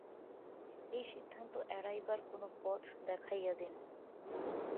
এই সিদ্ধান্ত এড়াইবার কোন পথ দেখাইয়া দিন।